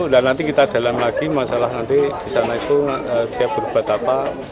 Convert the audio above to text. dan nanti kita dalam lagi masalah nanti di sana itu siap berubah ubah